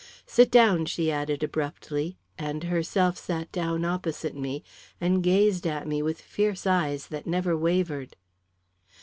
"Sit down," she added abruptly, and herself sat down opposite me, and gazed at me with fierce eyes that never wavered.